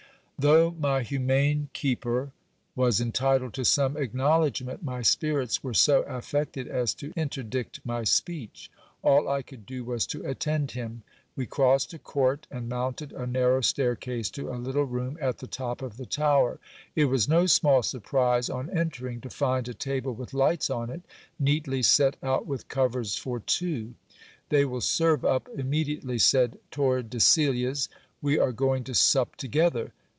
Though my humane keeper was entitled to some acknowledgment, my spirits were so affected as to interdict my speech. All I could do was to attend him. We crossed a court, and mounted a narrow staircase to a little room at the top of the tower. It was no small surprise, on entering, to find a table with lights on it, neatly set out with covers for two. They will serve up immediately, said Tordesillas. We are going to sup together.